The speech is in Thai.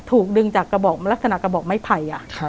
ถูกดึงจากกระบอกลักษณะกระบอกไม้ไผ่